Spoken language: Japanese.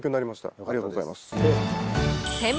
ありがとうございます。